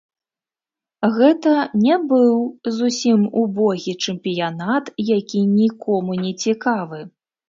Гэта не быў зусім убогі чэмпіянат, які нікому не цікавы.